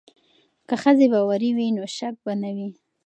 که ښځې باوري وي نو شک به نه وي.